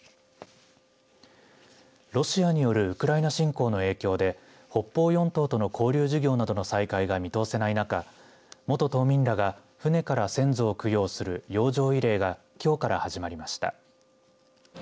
ロシアによるウクライナ侵攻の影響で北方四島との交流事業などの再開が見通せない中元島民らが船から先祖を供養する洋上慰霊がきょうから始まりました。